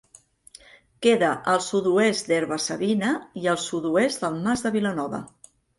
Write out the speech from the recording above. Queda al sud-oest d'Herba-savina i al sud-oest del Mas de Vilanova.